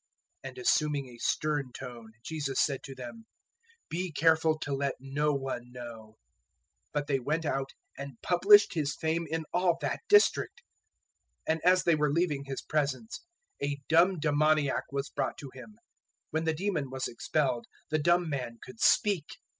And assuming a stern tone Jesus said to them, "Be careful to let no one know." 009:031 But they went out and published His fame in all that district. 009:032 And as they were leaving His presence a dumb demoniac was brought to Him. 009:033 When the demon was expelled, the dumb man could speak.